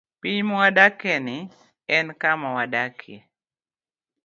Piny mwadakieni, en kama wadakie.